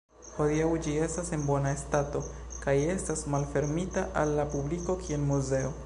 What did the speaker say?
Hodiaŭ ĝi estas en bona stato kaj estas malfermita al la publiko kiel muzeo.